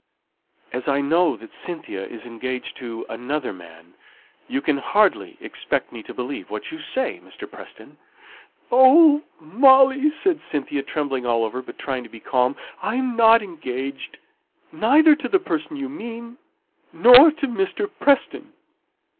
"As I know that Cynthia is engaged to another man, you can hardly expect me to believe what you say, Mr. Preston." "Oh, Molly," said Cynthia, trembling all over, but trying to be calm, "I am not engaged neither to the person you mean, nor to Mr. Preston."